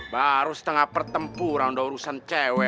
baru setengah pertempuran sudah urusan cewek